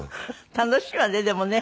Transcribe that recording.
楽しいわねでもね。